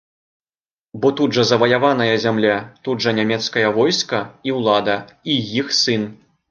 Бо тут жа заваяваная зямля, тут жа нямецкае войска і ўлада, і іх сын!